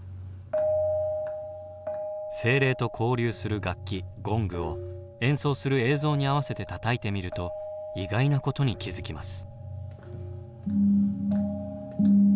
精霊と交流する楽器ゴングを演奏する映像に合わせてたたいてみると意外なことに気付きます。